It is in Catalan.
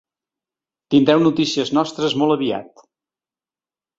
Tindreu notícies nostres molt aviat!